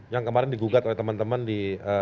yang kemarin digugat oleh teman teman di